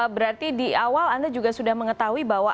berarti di awal anda juga sudah mengetahui bahwa